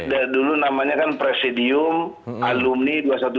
jadi dulu namanya kan presidium alumni dua ratus dua belas